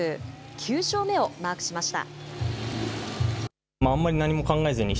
９勝目をマークしました。